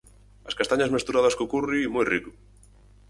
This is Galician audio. As castañas mesturadas co curri, moi rico.